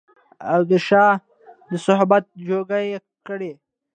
او د شاه د صحبت جوګه يې کړي